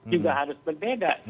juga harus berbeda